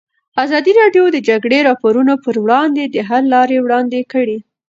ازادي راډیو د د جګړې راپورونه پر وړاندې د حل لارې وړاندې کړي.